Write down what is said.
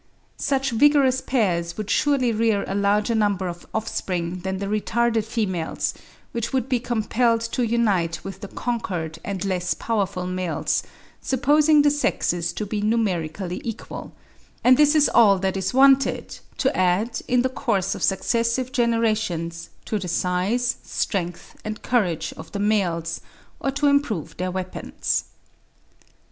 Such vigorous pairs would surely rear a larger number of offspring than the retarded females, which would be compelled to unite with the conquered and less powerful males, supposing the sexes to be numerically equal; and this is all that is wanted to add, in the course of successive generations, to the size, strength and courage of the males, or to improve their weapons.